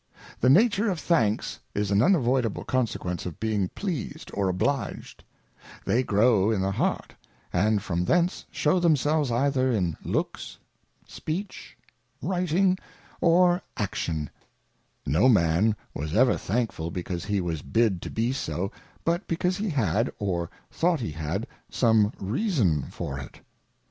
The nature of Thanks is an unavoidable consequence of being pleased or obliged ; they grow in the Heart, and from thence shew themselves either in Looks, Speech, Writing, or Action : No man was ever Thankful because he was bid to be so, but because he had, or thought he had some Reason for it.